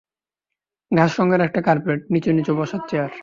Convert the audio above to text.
ঘাস রঙের একটা কার্পেট, নিচু-নিচু বসার চেয়ার।